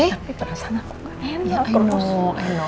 tapi perasaan aku gak enak